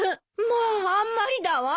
まああんまりだわ！